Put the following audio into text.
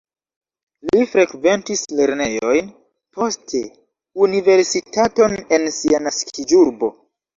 Li frekventis lernejojn, poste universitaton en sia naskiĝurbo.